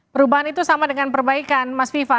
perubahan itu sama dengan perbaikan mas viva